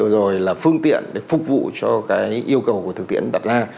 rồi là phương tiện để phục vụ cho cái yêu cầu của thực tiễn đặt ra